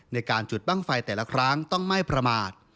ในการจุดบ้างไฟแต่ละครั้งต้องไม่ประมาท